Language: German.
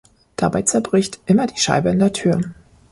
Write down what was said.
Dabei zerbricht immer die Scheibe in der Tür.